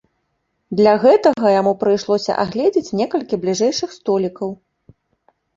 Для гэтага яму прыйшлося агледзець некалькі бліжэйшых столікаў.